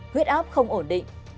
huyết áp không ổn định